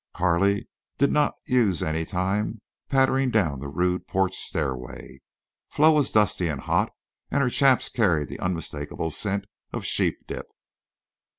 Carley did not use any time pattering down that rude porch stairway. Flo was dusty and hot, and her chaps carried the unmistakable scent of sheep dip.